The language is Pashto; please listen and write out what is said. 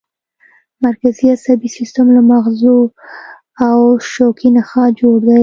مرکزي عصبي سیستم له مغزو او شوکي نخاع جوړ دی